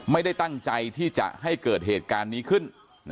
ไม่ได้ตั้งใจที่จะให้เกิดเหตุการณ์นี้ขึ้น